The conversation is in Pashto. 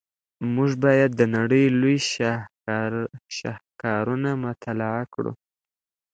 موږ باید د نړۍ لوی شاهکارونه مطالعه کړو.